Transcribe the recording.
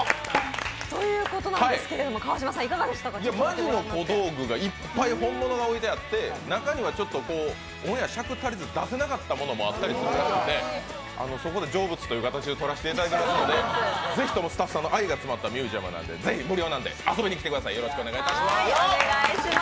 マジの小道具がいっぱい本物が置いてあって、中にはオンエア、尺足りず出せなかったものもあったりするのでそこで成仏という形をとらせていただきますのでぜひともスタッフさんの愛が詰まったミュージアムなんで無料なんでぜひ遊びに来てください。